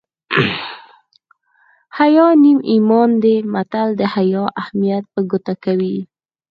حیا نیم ایمان دی متل د حیا اهمیت په ګوته کوي